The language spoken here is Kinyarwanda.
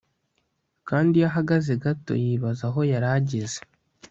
kandi iyo ahagaze gato, yibaza aho yari ageze